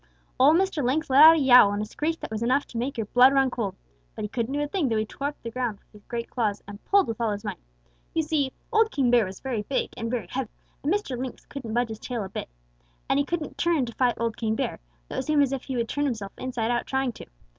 "Old Mr. Lynx let out a yowl and a screech that was enough to make your blood run cold. But he couldn't do a thing, though he tore the ground up with his great claws and pulled with all his might. You see, old King Bear was very big and very heavy, and Mr. Lynx couldn't budge his tail a bit. And he couldn't turn to fight old King Bear, though it seemed as if he would turn himself inside out trying to.